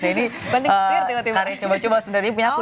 jadi karya coba coba sebenernya punya aku